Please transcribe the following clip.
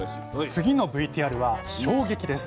次のＶＴＲは衝撃です。